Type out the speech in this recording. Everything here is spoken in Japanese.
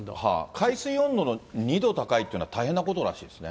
海水温度の２度高いというのは、大変なことらしいですね。